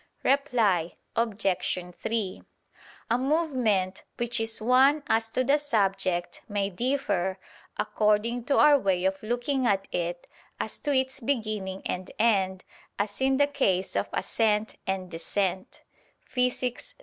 Reply Obj. 3: A movement which is one as to the subject, may differ, according to our way of looking at it, as to its beginning and end, as in the case of ascent and descent (Phys.